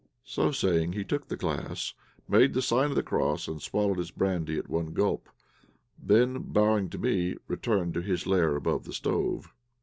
So saying he took the glass, made the sign of the cross, and swallowed his brandy at one gulp, then, bowing to me, returned to his lair above the stove.